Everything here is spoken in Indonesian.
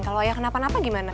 kalau ayah kenapa napa gimana